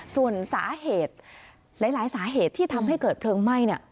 ส่วนสาเหตุหลายสาเหตุที่ทำให้เกิดเพลิงไหม้